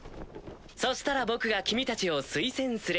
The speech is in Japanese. そしたら僕が君たちを推薦する。